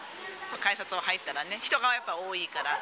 改札を入ったらね、人がやっぱ多いから。